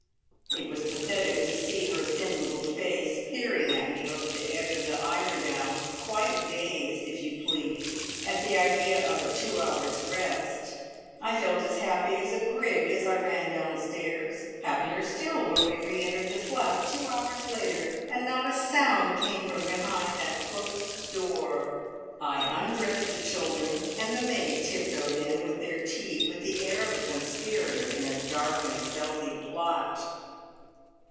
It was pathetic to see her thin little face peering at me over the edge of the eider down, quite dazed, if you please, at the idea of a two hours' rest! I felt as happy as a grig as I ran downstairs; happier still when we re entered the flat two hours later, and not a sound came from behind that closed door. I undressed the children, and the maid tiptoed in with their tea with the air of a conspirator in a dark and stealthy plot.